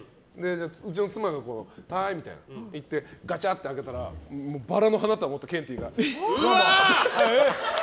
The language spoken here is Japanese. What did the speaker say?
うちの妻がはーいみたいに言ってガチャって開けたらバラの花束を持ったケンティーが。